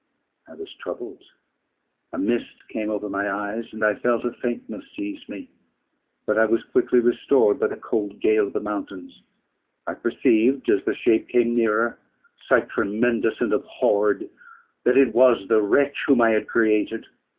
I was troubled: a mist came over my eyes, and I felt a faintness seize me; but I was quickly restored by the cold gale of the mountains. I perceived, as the shape came nearer (sight tremendous and abhorred!) that it was the wretch whom I had created.